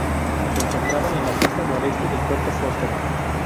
Se encontraba en la costa noroeste del Puerto Foster.